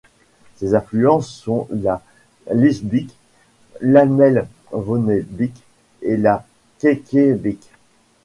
Ses affluents sont la Leestbeek, l’Amelvonnebeek et la Kelkebeek.